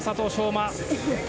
馬。